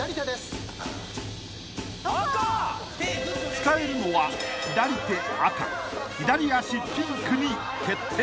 ［使えるのは左手赤左足ピンクに決定］